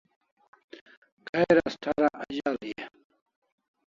Khair as thara azal'i en?